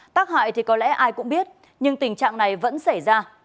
tác hại thì có lẽ ai cũng biết nhưng tình trạng này vẫn xảy ra